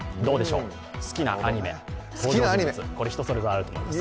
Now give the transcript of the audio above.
好きなアニメどうでしょう、人それぞれあると思います。